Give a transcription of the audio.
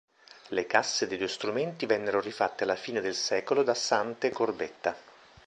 Le casse dei due strumenti vennero rifatte alla fine del secolo da Sante Corbetta.